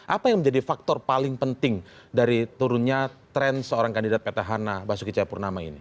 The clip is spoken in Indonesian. apa yang menjadi faktor paling penting dari turunnya tren seorang kandidat petahana basuki cahayapurnama ini